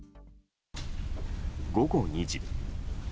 午後２時。